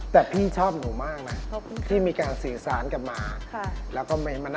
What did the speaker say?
แต่พี่ชอบหนูมากไหม